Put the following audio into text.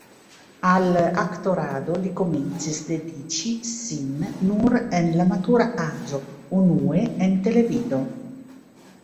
Al aktorado li komencis dediĉi sin nur en la matura aĝo, unue en televido.